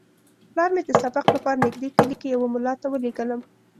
پلار مې د سبق لپاره نږدې کلي کې یوه ملا ته ولېږلم.